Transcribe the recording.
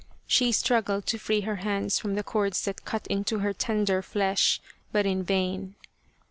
She struggled to free her hands from the cords that cut into her tender flesh, but in vain.